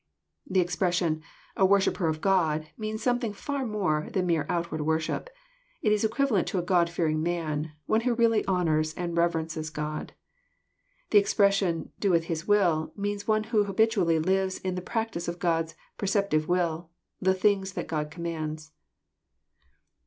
The expression, " a worshipper of God," means something far more than mere outward worship. It is equivalent to a God fearing man, — one who really honours and reverences God. The expression, " doeth His will," means one who habitually lives in the practice of God's preceptive will, — the things that God commands.